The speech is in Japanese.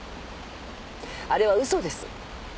あれは嘘です。